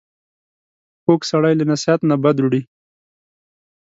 کوږ سړی له نصیحت نه بد وړي